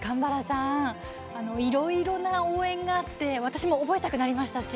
いろいろな応援があって私も覚えたくなりましたし